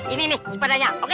ini nih sepedanya oke